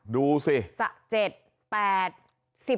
ดูสิ